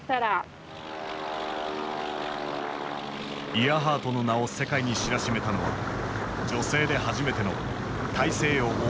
イアハートの名を世界に知らしめたのは女性で初めての大西洋横断飛行だった。